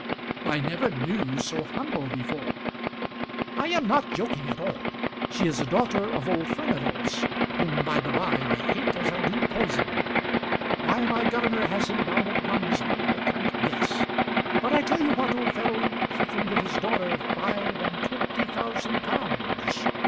"I never knew you so humble before." "I am not joking at all. She is a daughter of old Furnival's, whom by the by I hate as I do poison. Why my governor has him down at Noningsby I can't guess. But I tell you what, old fellow, he can give his daughter five and twenty thousand pounds.